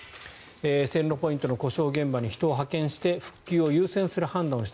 線路ポイントの故障現場に人を派遣して復旧を優先する判断をした。